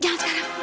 jangan sekarang ma